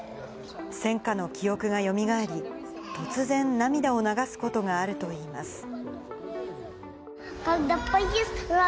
戦火の記憶がよみがえり、突然、涙を流すことがあるといいます。